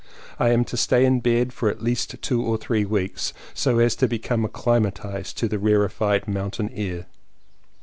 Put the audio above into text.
I am to stay in bed for at least two or three weeks, so as to become acclimatized to the rarified moun tain air.